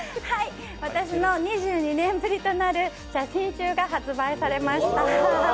私の２２年ぶりとなる写真集が発売されました。